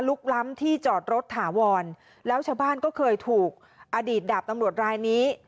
ล้ำที่จอดรถถาวรแล้วชาวบ้านก็เคยถูกอดีตดาบตำรวจรายนี้